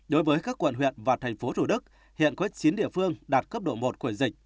đối với các quận huyện và tp hcm hiện có chín địa phương đạt cấp độ một của dịch